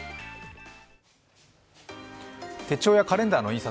手帳やカレンダーの印刷